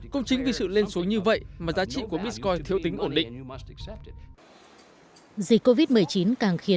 cũng chính vì sự lên xuống như vậy mà giá trị của bitcoin thiếu tính ổn định